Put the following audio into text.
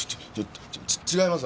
ち違います。